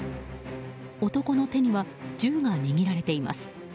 男の手には銃が握られています。